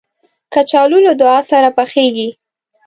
کچالو له دعا سره پخېږي